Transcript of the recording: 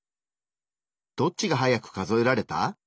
どっちが早く数えられた？